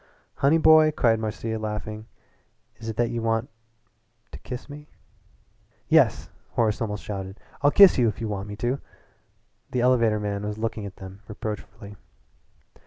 "Honey boy," cried Marcia, laughing, "is it that you want to kiss me?" "Yes," Horace almost shouted. "I'll kiss you if you want me to." The elevator man was looking at them reproachfully.